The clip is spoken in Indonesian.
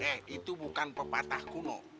eh itu bukan pepatah kuno